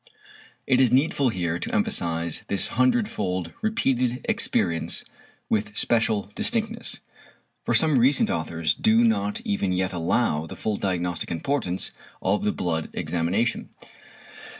It is needful here to emphasise this hundred fold repeated experience with special distinctness, for some recent authors do not even yet allow the full diagnostic importance of the blood examination.